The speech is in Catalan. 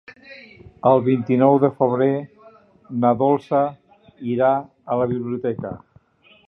El vint-i-nou de febrer na Dolça irà a la biblioteca.